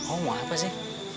oh mau apa sih